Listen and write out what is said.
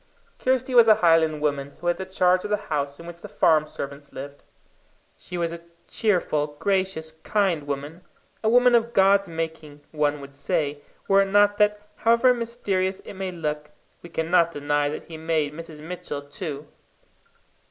Kirsty was a Highland woman who had the charge of the house in which the farm servants lived. She was a cheerful, gracious, kind woman a woman of God's making, one would say, were it not that, however mysterious it may look, we cannot deny that he made Mrs. Mitchell too.